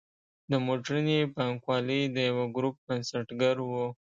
د موډرنې بانکوالۍ د یوه ګروپ بنسټګر و.